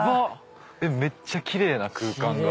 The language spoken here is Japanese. めっちゃ奇麗な空間が。